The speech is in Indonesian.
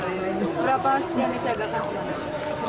berapa segini saya datang ke bali